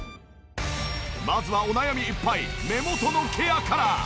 まずはお悩みいっぱい目元のケアから。